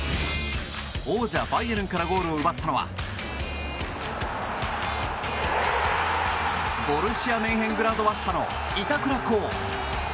王者バイエルンからゴールを奪ったのはボルシア・メンヘングラードバッハの板倉滉。